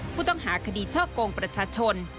ผู้ต้องหาคดีช่อกงประชาชน